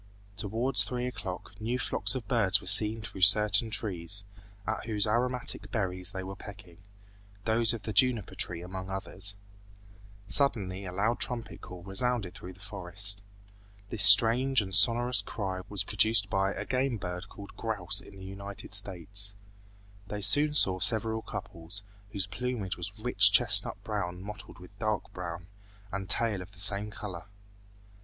Towards three o'clock new flocks of birds were seen through certain trees, at whose aromatic berries they were pecking, those of the juniper tree among others. Suddenly a loud trumpet call resounded through the forest. This strange and sonorous cry was produced by a game bird called grouse in the United States. They soon saw several couples, whose plumage was rich chestnut brown mottled with dark brown, and tail of the same color.